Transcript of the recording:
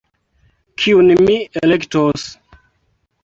Kiun mi elektos.